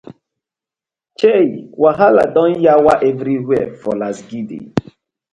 Chei, wahala don yawa everywhere for lasgidi.